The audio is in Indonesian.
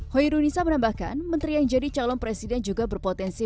hoirunisa menambahkan menteri yang jadi calon presiden juga berpotensi